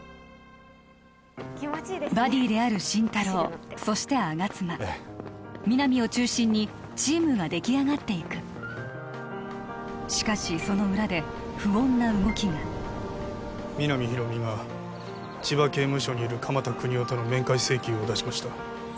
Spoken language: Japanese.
バディである心太朗そして吾妻皆実を中心にチームが出来上がっていくしかしその裏で不穏な動きが皆実広見が千葉刑務所にいる鎌田國士との面会請求を出しました